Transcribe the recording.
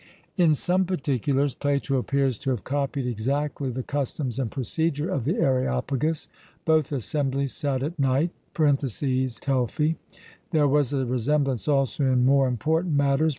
In some particulars Plato appears to have copied exactly the customs and procedure of the Areopagus: both assemblies sat at night (Telfy). There was a resemblance also in more important matters.